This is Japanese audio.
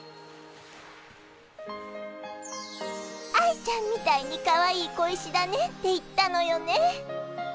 愛ちゃんみたいにかわいい小石だねって言ったのよね。